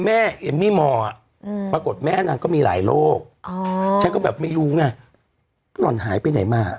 อืมปรากฏแม่นางก็มีหลายโรคอ๋อฉันก็แบบไม่รู้น่ะน่ะหายไปไหนมา